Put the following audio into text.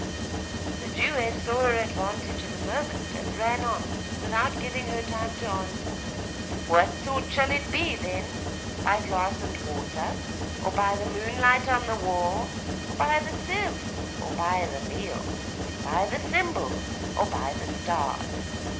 The Jewess saw her advantage in a moment, and ran on, without giving her time to answer 'What sort shall it be, then? By glass and water, or by the moonlight on the wall, or by the sieve, or by the meal? By the cymbals, or by the stars?